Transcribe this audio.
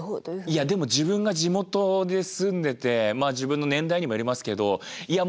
いやでも自分が地元で住んでてまあ自分の年代にもよりますけどいや